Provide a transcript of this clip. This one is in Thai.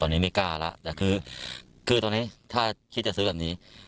ตอนนี้ไม่กล้าแล้วแต่คือตอนนี้ถ้าคิดจะซื้อแบบนี้